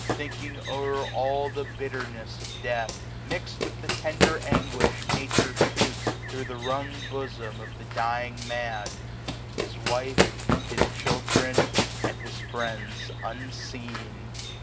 Thinking o*er all the bitterness of death; MixM with the tender anguish Nature shoots Thro* the wrung bosom of the dying Man, His wife, his children, and his friends unseen.